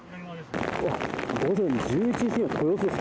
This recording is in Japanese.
午前１１時過ぎの豊洲です。